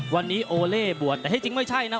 วันนี้โอเล่บวชแต่ให้จริงไม่ใช่นะ